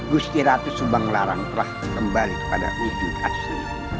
gusti ratu subanglarang telah kembali kepada wujud asli